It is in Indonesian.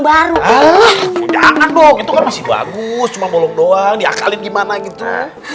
baru jangan dong itu kan masih bagus cuma bolong doang diakalin gimana gitu